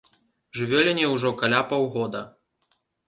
Жывёліне ўжо каля паўгода.